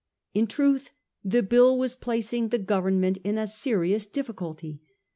In truth the bill was placing the Government in a serious difficulty.